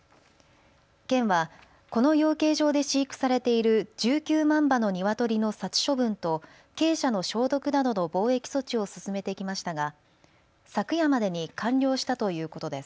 県はこの養鶏場で飼育されている１９万羽のニワトリの殺処分と鶏舎の消毒などの防疫措置を進めてきましたが昨夜までに完了したということです。